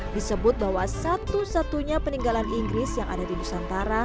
disebut bahwa satu satunya peninggalan inggris yang ada di nusantara